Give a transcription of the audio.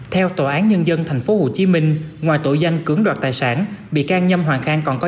theo tòa án nhân dân tp hcm ngoài tội danh cưỡng đoạt tài sản bị can nhâm hoàng khang còn có